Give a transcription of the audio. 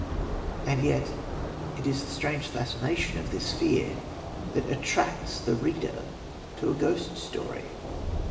And yet it is the strange fascination of this fear that attracts the reader to a ghost story.